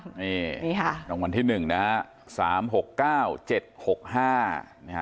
นี่ค่ะรางวัลที่หนึ่งนะคะสามหกเก้าเจ็ดหกห้านี่ค่ะ